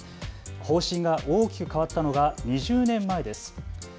方針が大きく変わったのが２０年前です。